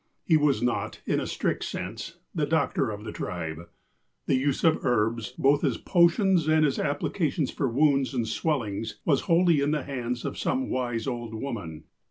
He was not, in a strict sense, the doctor of the tribe. The use of herbs, both as potions and as applications for wounds and swellings, was wholly in the hands of some wise old women.